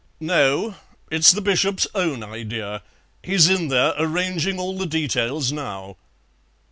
"No, it's the Bishop's own idea. He's in there arranging all the details now."